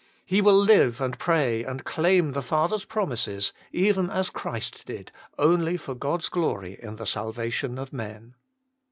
He will live and pray, and claim the Father s promises, even as Christ did, only for God s glory in the salvation of men.